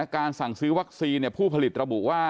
การสั่งซื้อวัคซีนผู้ผลิตระบุว่า